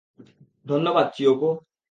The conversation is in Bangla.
ধন্যবাদ, চিয়োকো।